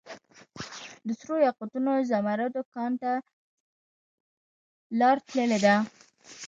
دسرو یاقوتو ، زمردو کان ته لار تللي ده